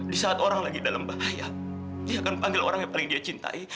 di saat orang lagi dalam bahaya dia akan panggil orang yang paling dia cintai